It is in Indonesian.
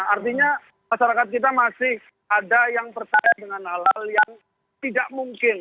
artinya masyarakat kita masih ada yang percaya dengan hal hal yang tidak mungkin